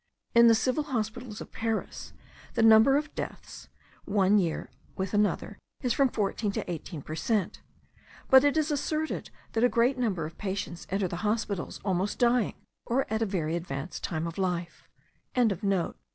In the civil hospitals of Paris the number of deaths, one year with another, is from fourteen to eighteen per cent; but it is asserted that a great number of patients enter the hospitals almost dying, or at very advanced time of life.)